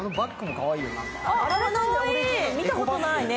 あれ、見たことないね。